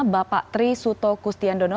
bapak tri suto kustianudin